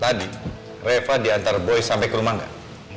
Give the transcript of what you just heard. tadi reva diantar boy sampai ke rumah enggak